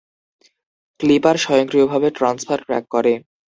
Clipper স্বয়ংক্রিয়ভাবে transfer track করে।